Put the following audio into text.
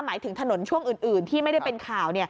หมายถึงถนนช่วงอื่นที่ไม่ได้เป็นข่าว